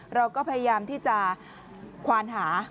เราก็พยายามที่จะควานหา